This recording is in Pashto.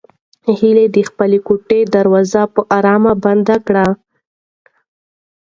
هیلې د خپلې کوټې دروازه په ارامه بنده کړه.